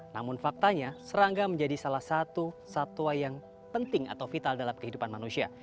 namun faktanya serangga menjadi salah satu satwa yang penting atau vital dalam kehidupan manusia